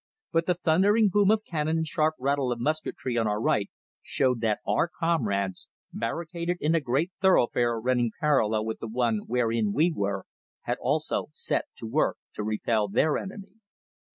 But the thundering boom of cannon and sharp rattle of musketry on our right, showed that our comrades, barricaded in a great thoroughfare running parallel with the one wherein we were, had also set to work to repel their enemy.